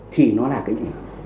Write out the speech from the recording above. thì nó là cái gì